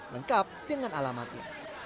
lengkap dengan alamatnya